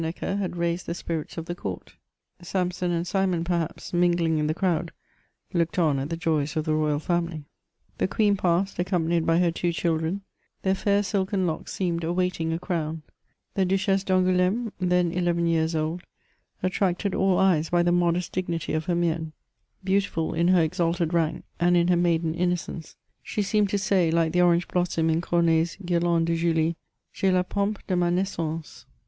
Necker had raised the spirits of the court ; Samson and Simon, perhaps, mingling in the ciowd, looked on at the joys of the royal faxnily. The queen passed, accompanied by her two children ; their fair nlken locks seemed awaiting a crown ; the Duchesse d'AngoulSme, then eleven years old^ attracted all eyes by the modest dignity of her mien ; beautiful in her exalted rank and in her maiden inno* oence, she seemed to say, like the orange blossom in Comeille's ^^ Guirlande de Julie," J'ai la pompe de ma naissance."